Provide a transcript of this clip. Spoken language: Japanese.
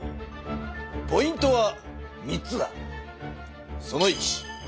ポイントは３つだ。